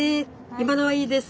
今のはいいです。